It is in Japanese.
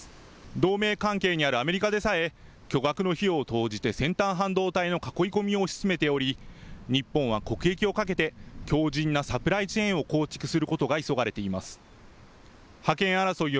同盟関係にあるアメリカでさえ巨額の費用を投じて先端半導体の囲い込みを推し進めており、日本は国益をかけて、強じんなサプライチェーンを構築することが急がれています。